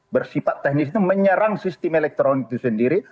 bersifat teknis itu menyerang sistem elektronik itu sendiri